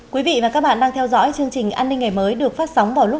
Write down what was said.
quý vị và các bạn đang theo dõi chương trình an ninh ngày mới được phát sóng vào lúc